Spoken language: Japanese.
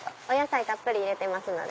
お野菜たっぷり入れてます